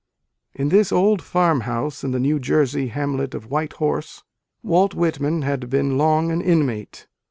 In this old farmhouse, in the New Jersey hamlet of White Horse, Walt Whitman had been long an inmate.